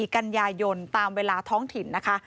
กันยายนตามเวลาท้องถิ่นนะคะ